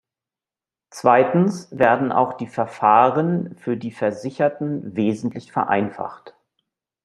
Zweitens werden auch die Verfahren für die Versicherten wesentlich vereinfacht.